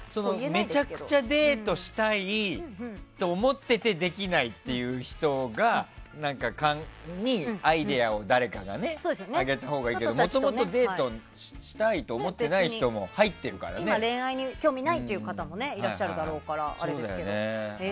めちゃくちゃデートしたいって思っててできないっていう人に誰かがアイデアをあげたほうがいいと思うけどもともとデートしたいと思っていない人も今、恋愛に興味ない方もいらっしゃるだろうから。